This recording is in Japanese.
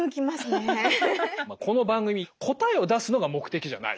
この番組答えを出すのが目的じゃない。